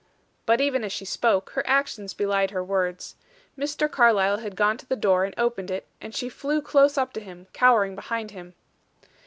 But, even as she spoke, her actions belied her words. Mr. Carlyle had gone to the door and opened it, and she flew close up to him, cowering behind him.